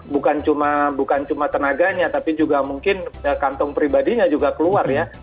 bukan cuma tenaganya tapi juga mungkin kantong pribadinya juga keluar ya